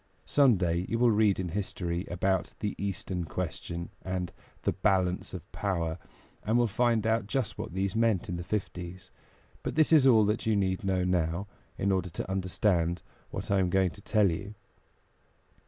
Some day you will read in history about the Eastern Question and the Balance of Power, and will find out just what these meant in the Fifties; but this is all that you need know now, in order to understand what I am going to tell you.